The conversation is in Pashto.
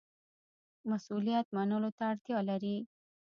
مسوولیت منلو ته اړتیا لري